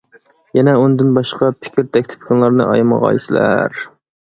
يەنە ئۇندىن باشقا پىكىر تەكلىپىڭلارنى ئايىمىغايسىلەر.